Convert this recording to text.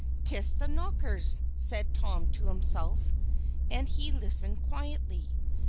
"'Tis the Knockers!" said Tom to himself, and he listened quietly.